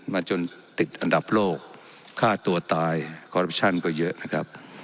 มาจนติดอันดับโลกตั๋วตายเเกอะนะครับ